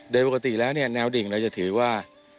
โดยปกติแล้วเนี่ยแนวดิ่งเราจะถือว่า